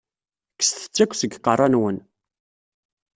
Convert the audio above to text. Kkset-tt akk seg iqeṛṛa-nwen!